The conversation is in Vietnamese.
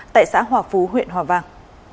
tại xã hòa phú huyện hòa vàng